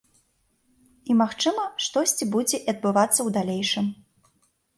І магчыма штосьці будзе адбывацца ў далейшым.